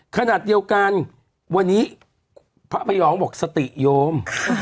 ขนาดเดียวกันวันนี้พระพยองบอกสติโยม